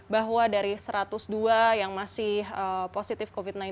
bahwa dari satu ratus dua yang masih positif covid sembilan belas